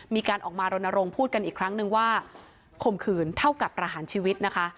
มีการออกมารณรงค์พูดกันอีกครั้งนึงว่าข่มขืนเท่ากับประหารชีวิตนะคะ